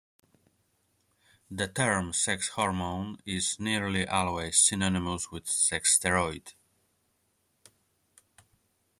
The term sex hormone is nearly always synonymous with "sex steroid".